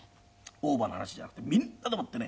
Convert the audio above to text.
オーバーな話じゃなくてみんなでもってね